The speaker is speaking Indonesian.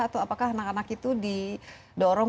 atau apakah anak anak itu didorong